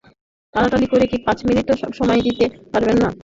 টানাটানি করে কি পাঁচ মিনিটও সময় দিতে পারতেন না।